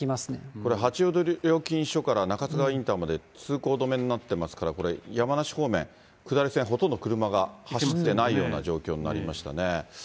これ、八王子料金所から中津川インターまで通行止めになってますから、これ山梨方面、下り線、ほとんど車が走ってないような状況になりましたね。